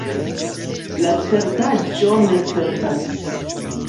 La certaĵo ne certas.